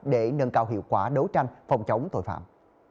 để nâng cao hiệu quả đấu tranh phòng chống tội phạm